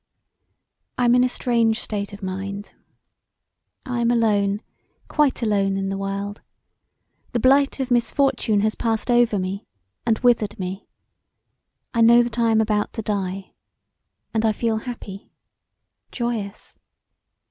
I am in a strange state of mind. I am alone quite alone in the world the blight of misfortune has passed over me and withered me; I know that I am about to die and I feel happy joyous.